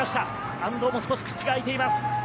安藤も少し口があいています。